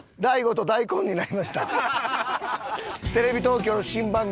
テレビ東京の新番組は。